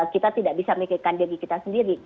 kita tidak bisa memikirkan diri kita sendiri